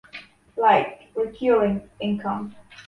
like recurring income